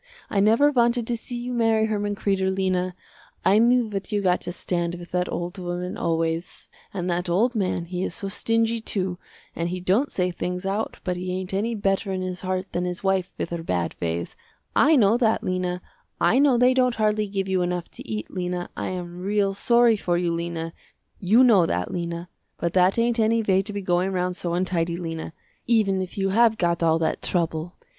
I never wanted to see you marry Herman Kreder, Lena, I knew what you got to stand with that old woman always, and that old man, he is so stingy too and he don't say things out but he ain't any better in his heart than his wife with her bad ways, I know that Lena, I know they don't hardly give you enough to eat, Lena, I am real sorry for you Lena, you know that Lena, but that ain't any way to be going round so untidy Lena, even if you have got all that trouble.